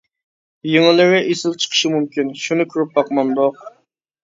يېڭىلىرى ئېسىل چىقىشى مۇمكىن، شۇنى كۆرۈپ باقمامدۇق.